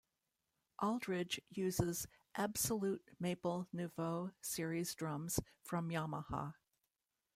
Aldridge uses Absolute Maple Nouveau series drums from Yamaha.